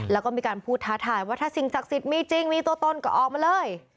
แล้วก็มีการพูดท้าทายว่าถ้าสิ่งศักดิ์สิทธิ์มีจริงมีตัวตนก็ออกมาเลย